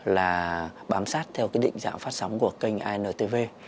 là bám sát theo cái định dạng phát sóng của kênh intv